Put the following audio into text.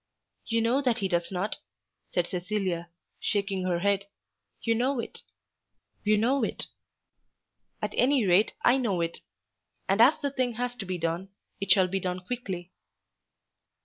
"You know that he does not," said Cecilia, shaking her head. "You know it. You know it. At any rate I know it. And as the thing has to be done, it shall be done quickly."